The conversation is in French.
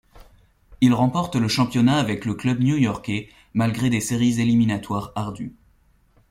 Il remporte le championnat avec le club new-yorkais malgré des séries éliminatoires ardues.